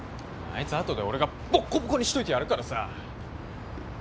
あいつ後で俺がぼっこぼこにしといてやるからさ。